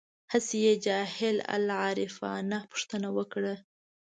هسې یې تجاهل العارفانه پوښتنه وکړه.